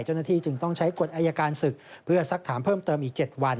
เจ้าหน้าที่จึงต้องใช้กฎอายการศึกเพื่อสักถามเพิ่มเติมอีก๗วัน